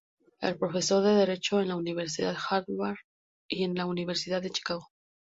Es profesor de Derecho en la Universidad Harvard y en la Universidad de Chicago.